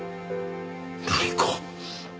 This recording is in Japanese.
瑠璃子。